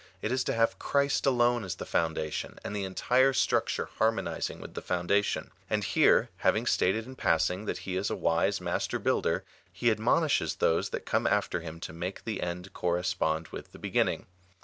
It is to have Christ alone as the foundation, and the entire structure harmonizing with the foundation. And here, having stated in passing that he is a wise master builder, he admonishes those that come after him to make the end^ corres23ond with the beginning.